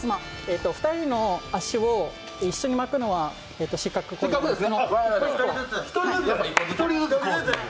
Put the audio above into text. ２人の足を一緒に巻くのは失格です。